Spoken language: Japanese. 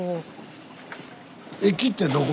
駅ってどこ？